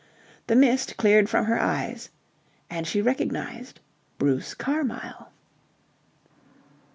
The mist cleared from her eyes and she recognized Bruce Carmyle.